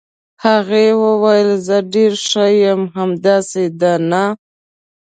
هغې وویل: زه ډېره ښه یم، همداسې ده، نه؟